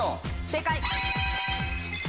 正解。